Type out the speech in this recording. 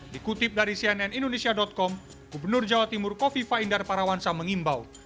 dikutip dari cnn indonesia com gubernur jawa timur kofifa indar parawansa mengimbau